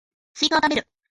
スイカを食べる